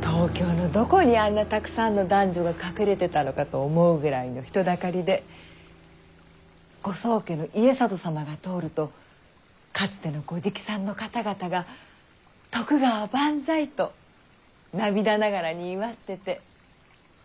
東京のどこにあんなたくさんの男女が隠れてたのかと思うぐらいの人だかりでご宗家の家達様が通るとかつてのご直参の方々が「徳川万歳」と涙ながらに祝ってて。